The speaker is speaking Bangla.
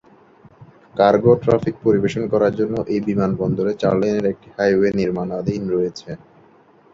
কার্গো ট্র্যাফিক পরিবেশন করার জন্য এই বিমানবন্দরে চার-লেনের একটি হাইওয়ে নির্মাণাধীন রয়েছে।